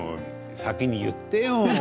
先に言ってよ。